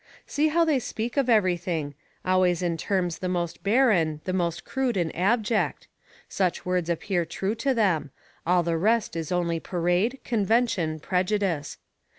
See how they speak of everything; always in terms the most barren, the most crude and abject; such words appear true to them; all the rest is only parade, convention, prejudice.